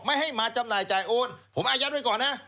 ให้มาจำหน่ายจ่ายโอนผมอายัดไว้ก่อนนะ